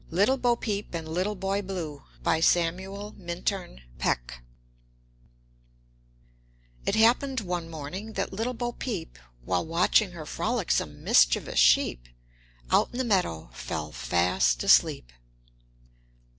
LITTLE BOPEEP AND LITTLE BOY BLUE BY SAMUEL MINTURN PECK It happened one morning that Little Bopeep, While watching her frolicsome, mischievous sheep Out in the meadow, fell fast asleep.